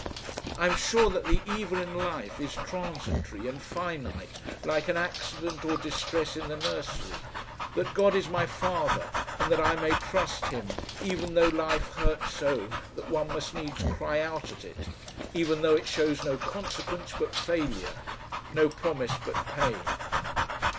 I am sure that the evil in life is transitory and finite like an accident or distress in the nursery; that God is my Father and that I may trust Him, even though life hurts so that one must needs cry out at it, even though it shows no consequence but failure, no promise but pain....